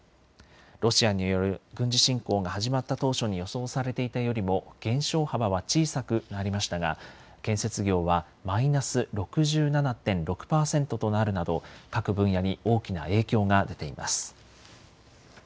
ロシアによる軍事侵攻が始まった当初に予想されていたよりも減少幅は小さくなりましたが建設業はマイナス６７．６％となるなど各分野に大きな影響が出ています。